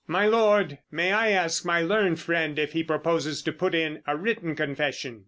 "My Lord, may I ask my learned friend if he proposes to put in a written confession?"